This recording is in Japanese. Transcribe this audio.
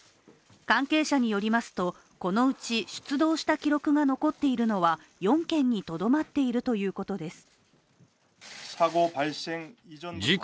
関係者によりますと、このうち出動した記録が残っているのは４件にとどまっているということです。